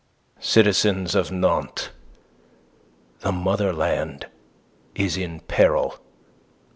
"Citizens of Nantes, the motherland is in peril.